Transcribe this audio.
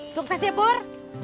sukses ya pur